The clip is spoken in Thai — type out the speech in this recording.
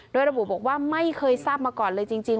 โดยระบุบอกว่าไม่เคยทราบมาก่อนเลยจริง